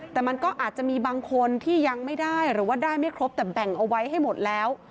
แต่มันก็อาจจะมีบางคนที่ยังไม่ได้หรือว่าได้ไม่ครบแต่แบ่งเอาไว้ให้หมดแล้ว